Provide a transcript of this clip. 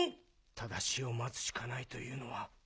ただ死を待つしかないというのは。